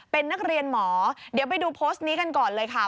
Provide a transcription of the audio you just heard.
เป็นนักเรียนหมอเดี๋ยวไปดูโพสต์นี้กันก่อนเลยค่ะ